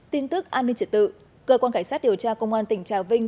tin tức an ninh trật tự cơ quan cảnh sát điều tra công an tỉnh trà vinh